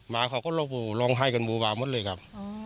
มาเขาก็ร้องไห้กันวุวแบวหมดเลยครับ